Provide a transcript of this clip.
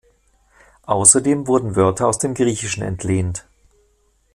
Außerdem wurden Wörter aus dem Griechischen entlehnt.